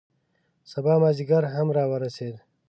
سبا مازدیګر هم را ورسید.